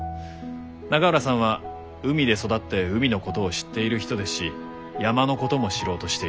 永浦さんは海で育って海のことを知っている人ですし山のことも知ろうとしている。